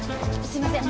すいません。